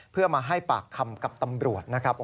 เพื่อมาให้ปากคำกับตำรวจ